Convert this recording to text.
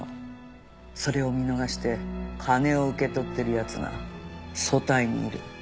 それを見逃して金を受け取ってる奴が組対にいる。